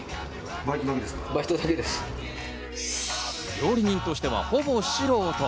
料理人としてはほぼ素人。